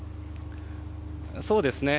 そうですね。